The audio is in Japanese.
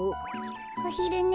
おひるね。